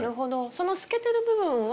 その透けてる部分は？